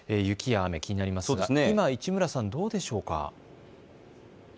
雪や雨、気になりますが今市村さん、どうでしょうか。